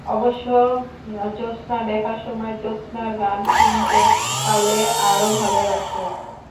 অবশ্য জোছনা দেখার সময় জোছনার গান শুনতে পারলে আরও ভালো লাগত।